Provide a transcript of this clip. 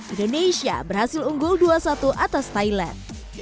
indonesia berhasil unggul dua satu atas thailand